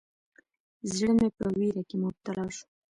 زړه مې په ویره کې مبتلا شو.